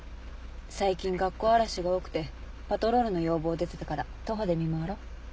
最近学校荒らしが多くてパトロールの要望出てたから徒歩で見回ろう。